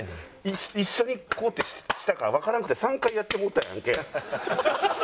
一緒にこうやってしたからわからんくて３回やってもうたやんけ。